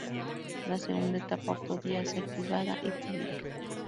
La segunda etapa podía ser privada o pública.